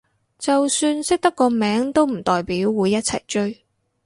就算識得個名都唔代表會一齊追